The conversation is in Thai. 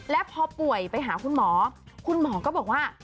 และพอป่วยไปหาคุณหมอคุณหมอก็บอกว่า